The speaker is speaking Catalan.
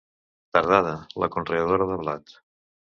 Tardada, la conreadora de blat.